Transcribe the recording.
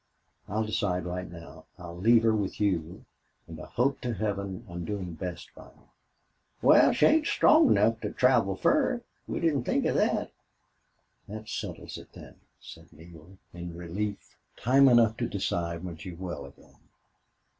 I'll decide right now. I'll leave her with you, and I hope to Heaven I'm doing best by her." "Wal, she ain't strong enough to travel fur. We didn't think of thet." "That settles it, then," said Neale, in relief. "Time enough to decide when she is well again....